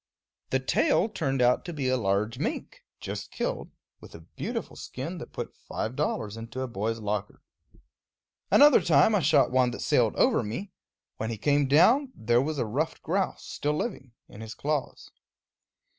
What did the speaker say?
The tail turned out to be a large mink, just killed, with a beautiful skin that put five dollars into a boy's locker. Another time I shot one that sailed over me; when he came down, there was a ruffed grouse, still living, in his claws.